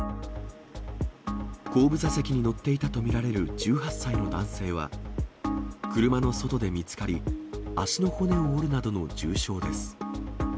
後部座席に乗っていたと見られる１８歳の男性は、車の外で見つかり、足の骨を折るなどの重傷です。